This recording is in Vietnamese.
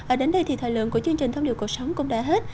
ở đến đây thì thời lượng của chương trình thông điệp cuộc sống cũng đã hết